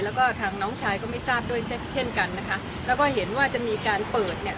แล้วก็ทางน้องชายก็ไม่ทราบด้วยเช่นกันนะคะแล้วก็เห็นว่าจะมีการเปิดเนี่ย